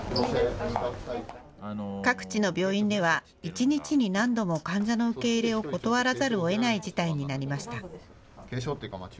各地の病院では一日に何度も患者の受け入れを断らざるをえない事態になりました。